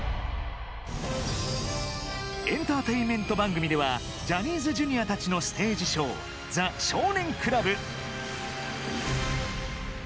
エンターテインメント番組ではジャニーズＪｒ．たちのステージショー「ザ少年倶楽部」。